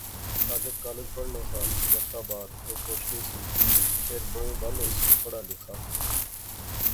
ساجد کالج پڑھنا سا، مظفرآباد، او سوچنی سی، فیر بہوں بل ہوسی پڑھا لیغا